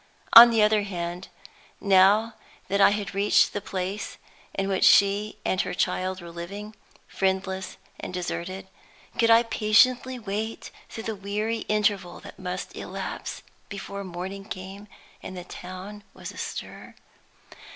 On the other hand, now that I had reached the place in which she and her child were living, friendless and deserted, could I patiently wait through the weary interval that must elapse before the morning came and the town was astir?